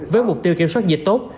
với mục tiêu kiểm soát dịch tốt